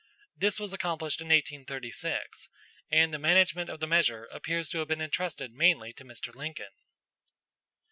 This was accomplished in 1836, and the management of the measure appears to have been intrusted mainly to Mr. Lincoln.